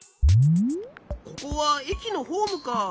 ここはえきのホームか。